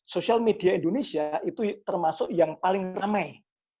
sosial media indonesia itu termasuk yang paling ramai